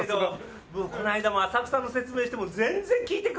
この間も浅草の説明しても全然聞いてくれないんだもんね。